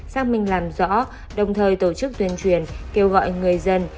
xác minh làm rõ đồng thời tổ chức tuyên truyền kêu gọi người dân